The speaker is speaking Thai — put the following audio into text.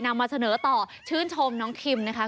นำมาเสนอต่อชื่นชมน้องคิมนะคะ